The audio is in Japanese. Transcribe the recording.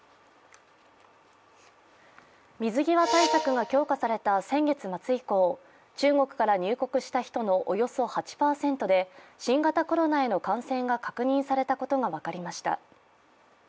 水際対策が強化された先月末以降、中国から入国した人のおよそ８％で新型コロナへの感染が確認されたことが分かりました。